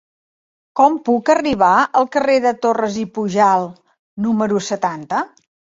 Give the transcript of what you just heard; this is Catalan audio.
Com puc arribar al carrer de Torras i Pujalt número setanta?